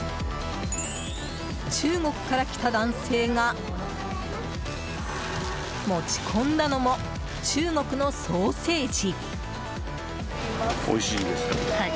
中国から来た男性が持ち込んだのも中国のソーセージ。